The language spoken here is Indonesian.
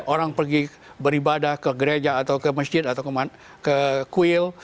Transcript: orang pergi beribadah ke gereja atau ke masjid atau ke kuil